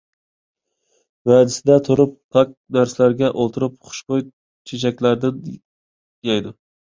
ۋەدىسىدە تۇرۇپ، پاك نەرسىلەرگە ئولتۇرۇپ، خۇشبۇي چېچەكلەردىن يەيدۇ.